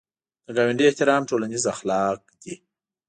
د ګاونډي احترام ټولنیز اخلاق دي